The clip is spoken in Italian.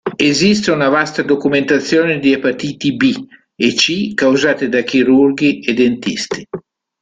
Esiste una vasta documentazione di epatiti B e C causate da chirurghi e dentisti.